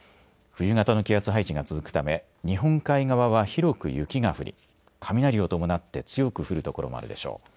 冬型の気圧配置が続くため日本海側は広く雪が降り、雷を伴って強く降る所もあるでしょう。